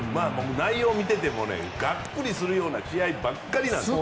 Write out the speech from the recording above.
内容を見ていてもがっくりするような試合ばっかりなんです。